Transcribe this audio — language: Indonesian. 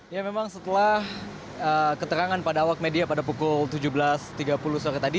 ya memang setelah keterangan pada awak media pada pukul tujuh belas tiga puluh sore tadi